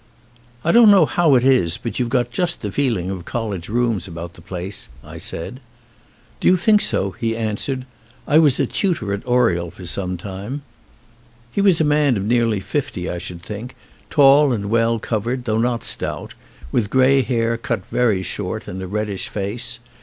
"I don't know how it is, but you've got just the feeling of college rooms about the place," I said. "Do you think so?" he answered. "I was a tutor at Oriel for some time." He was a man of nearly fifty, I should think, tall and well covered through not stout, with grey hair cut very short and a reddish face.